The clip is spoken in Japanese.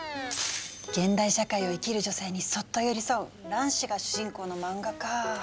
現代社会を生きる女性にそっと寄り添う卵子が主人公の漫画か。